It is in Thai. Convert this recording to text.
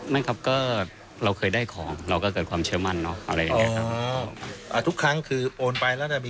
ไม่ครับเราก็เคยได้ของเราก็เกิดความเชื่อมั่นเนอะอะไรแบบนี้